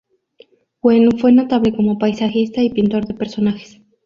Wen fue notable como paisajista y pintor de personajes.